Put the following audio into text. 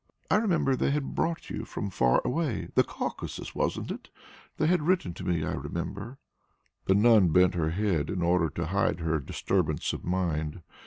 "I remember they had brought you from far away the Caucasus, wasn't it? They had written to me, I remember." The nun bent her head in order to hide her disturbance of mind.